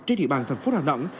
trên địa bàn thành phố đà nẵng